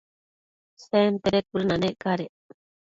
Sentede cuëdënanec cadec